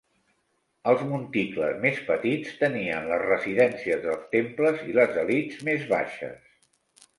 Els monticles més petits tenien les residències dels temples i les elits més baixes.